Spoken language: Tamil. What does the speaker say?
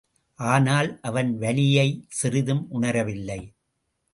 ஆனால் அவன் வலியைச் சிறிதும் உணரவில்லை.